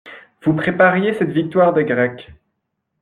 Vous prépariez cette victoire des Grecs.